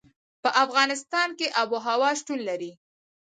په افغانستان کې آب وهوا شتون لري.